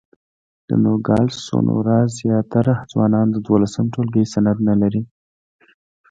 د نوګالس سونورا زیاتره ځوانان د دولسم ټولګي سند نه لري.